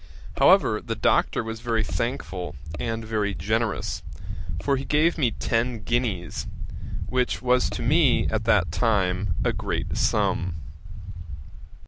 However, the Doctor was very thankful, and very generous, for he gave me ten guineas, which was to me at that time a great sum.'